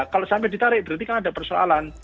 kalau sampai ditarik berarti kan ada persoalan